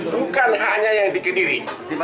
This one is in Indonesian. bukan hanya yang dikediri